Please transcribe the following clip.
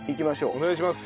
お願いします。